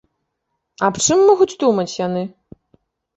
Аб чым могуць думаць яны?